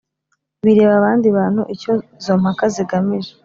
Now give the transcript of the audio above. Bireba abandi bantu icyo izo mpaka zigamije